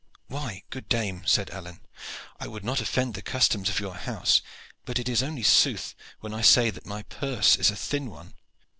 "Why, good dame," said Alleyne, "I would not offend the customs of your house, but it is only sooth when I say that my purse is a thin one.